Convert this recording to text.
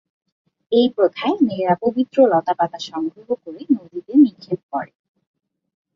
এই প্রথায় মেয়েরা পবিত্র লতাপাতা সংগ্রহ করে নদীতে নিক্ষেপ করে।